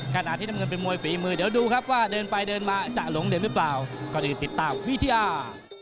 ถ้าเราเป็นมวยฝีมือเดี๋ยวดูครับว่าเดินไปมาจานงนี่เปล่าก็คือติดต้องวิทยา